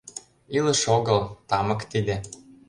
Илыш огыл, тамык тиде.